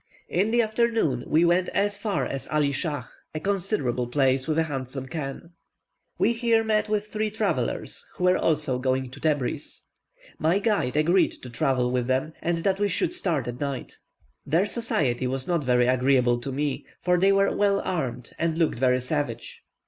In the afternoon, we went as far as Ali Schach, a considerable place, with a handsome chan. We here met with three travellers, who were also going to Tebris. My guide agreed to travel with them, and that we should start at night. Their society was not very agreeable to me, for they were well armed, and looked very savage.